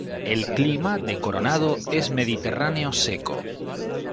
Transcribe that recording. El clima de Coronado es mediterráneo seco.